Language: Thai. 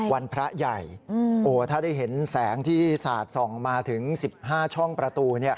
วันพระใหญ่ถ้าได้เห็นแสงที่สาดส่องมาถึง๑๕ช่องประตู